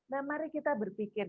nah mari kita berpikir